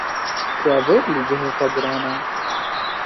Kevir li cihê xwe giran e